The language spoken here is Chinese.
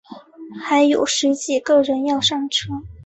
还有十几个人要上车